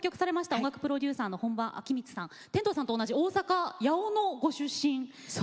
音楽プロデューサーの本間昭光さん天童さんと同じ大阪・八尾のご出身。